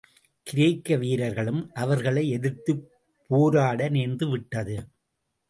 சிரேக்க வீரர்களும் அவர்களை எதிர்த்துப் போராட நேர்ந்துவிட்டது.